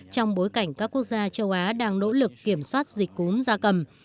trong bối cảnh các quốc gia châu á đang nỗ lực kiểm soát dịch cúm da cầm